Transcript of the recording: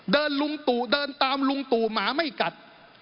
เดินตามลุงตู่หมาไม่กัด